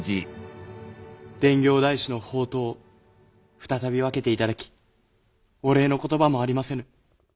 伝教大師の法灯を再び分けて頂きお礼の言葉もありませぬ。